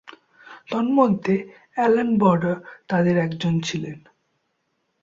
তন্মধ্যে, Allan Border তাদের একজন ছিলেন।